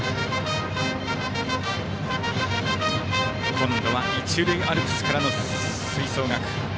今度は一塁アルプスからの吹奏楽。